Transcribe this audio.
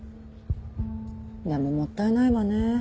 でももったいないわね。